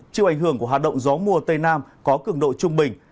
chiều ảnh hưởng của hạt động gió mùa tây nam có cường độ trung bình